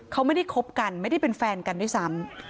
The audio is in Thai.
เขาไม่ได้คบกันไม่ได้เป็นแฟนกันด้วยซ้ำ